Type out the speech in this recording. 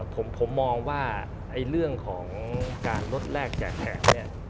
ผมมองว่าเรื่องของการลดแรกแจกแขกเนี่ย